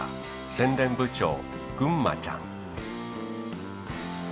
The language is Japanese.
宣伝部長ぐんまちゃん。